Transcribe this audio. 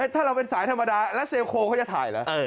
ถ้าเราเป็นสายธรรมดาแล้วเซลโคเขาจะถ่ายเหรอ